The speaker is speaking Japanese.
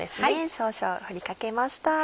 少々振りかけました。